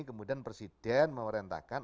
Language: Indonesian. kemudian presiden memerintahkan